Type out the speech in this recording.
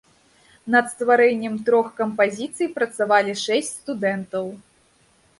Над стварэннем трох кампазіцый працавалі шэсць студэнтаў.